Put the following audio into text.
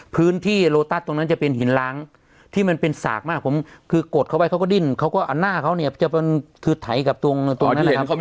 พื้นที่โลตัสตรงนั้นจะเป็นหินล้างที่มันเป็นสากมากผมคือกดเข้าไปเขาก็ดิ้นเขาก็เอาหน้าเขาเนี่ยจะเป็นคือไถกับตรงนั้นเลยครับ